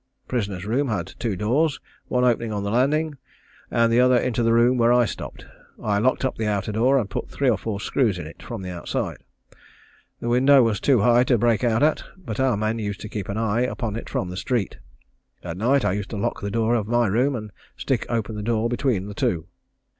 Prisoner's room had two doors, one opening on the landing, and the other into the room where I stopped. I locked up the outer door and put three or four screws into it from the outside. The window was too high to break out at, but our men used to keep an eye upon it from the street. At night I used to lock the door of my room and stick open the door between the two.